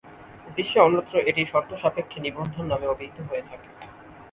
বিশ্বের অন্যত্র এটি "শর্তসাপেক্ষে নিবন্ধন" নামে অভিহিত হয়ে থাকে।